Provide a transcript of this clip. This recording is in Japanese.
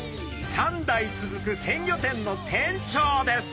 ３代続く鮮魚店の店長です。